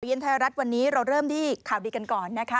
เย็นไทยรัฐวันนี้เราเริ่มที่ข่าวดีกันก่อนนะคะ